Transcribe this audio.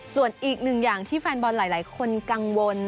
เพียงแฟนบอลหลายคนกังวล